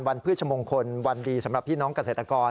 พฤชมงคลวันดีสำหรับพี่น้องเกษตรกร